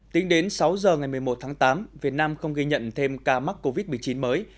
tính đến sáu giờ ngày một mươi một tháng tám việt nam không ghi nhận thêm ca mắc covid một mươi chín mới